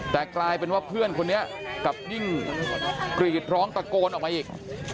แต่กลายเป็นว่าเพื่อนคนนี้กลับยิ่งกรีดร้องตะโกนออกมาอีก